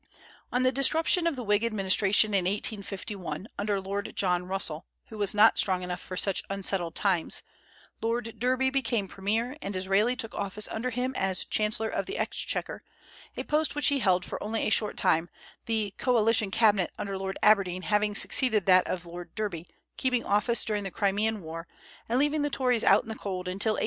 On the disruption of the Whig administration in 1851 under Lord John Russell, who was not strong enough for such unsettled times, Lord Derby became premier, and Disraeli took office under him as chancellor of the exchequer, a post which he held for only a short time, the "coalition cabinet" under Lord Aberdeen having succeeded that of Lord Derby, keeping office during the Crimean war, and leaving the Tories out in the cold until 1858.